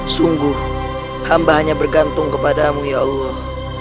sungguh hamba hanya bergantung kepadamu ya allah